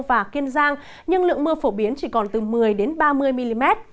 và kiên giang nhưng lượng mưa phổ biến chỉ còn từ một mươi ba mươi mm